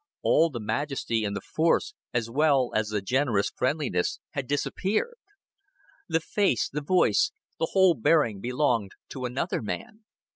All the majesty and the force, as well as the generous friendliness, had disappeared. The face, the voice, the whole bearing belonged to another man.